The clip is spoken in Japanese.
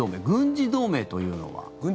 軍事同盟というのは？